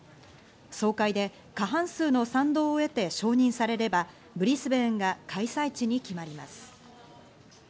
総会で過半数の賛同を得て承認されれば、ブリスベーンが開催地に決まります。